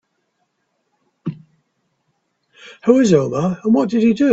Who is Omar and what did he do?